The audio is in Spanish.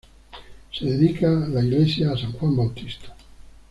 Se dedica la iglesia a San Juan Bautista.